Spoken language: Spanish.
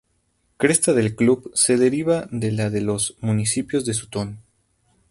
Cresta del club se deriva de la de los Municipio de Sutton.